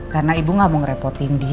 karena ibu gak mau ngerepotin dia